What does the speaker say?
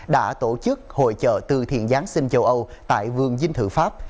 đã tổ chức hội trợ từ thiện giáng sinh châu âu tại vườn dinh thự pháp